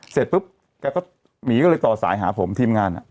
เสร็จปุ๊บแกก็หมีก็เลยต่อสายหาผมทีมงาน